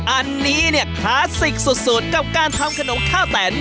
อันนี้เนี่ยคลาสสิกสุดกับการทำขนมข้าวแตน